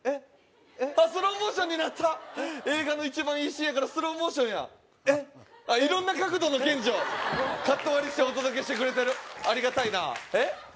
スローモーションになった映画の一番いいシーンやからスローモーションやえええ色んな角度のケンジをカット割りしてお届けしてくれてるありがたいなあええ